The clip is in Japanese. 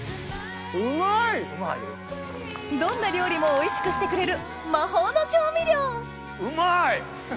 どんな料理もおいしくしてくれる魔法の調味料うまい！